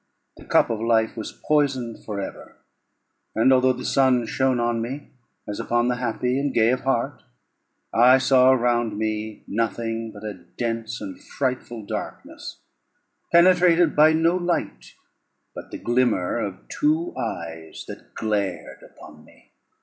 The cup of life was poisoned for ever; and although the sun shone upon me, as upon the happy and gay of heart, I saw around me nothing but a dense and frightful darkness, penetrated by no light but the glimmer of two eyes that glared upon me.